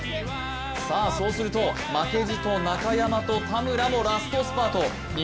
すると負けじと、中山も田村もラストスパート。